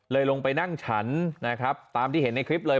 ลงไปนั่งฉันนะครับตามที่เห็นในคลิปเลย